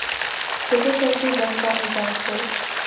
triple century بن کا اعزاز صرف